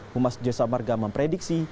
pumas jasa marga memprediksi